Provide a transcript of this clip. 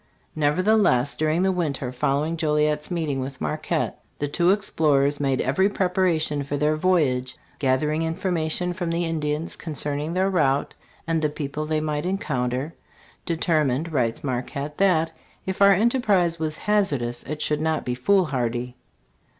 Nevertheless, during the winter following Joli et's meeting with Marquette the two explorers made every preparation for their voyage, gathering information from ^ the Indians concerning their route and the / people they might encounter, determined, writes Marquette, that "if our enterprise was hazardous it should not be foolhardy."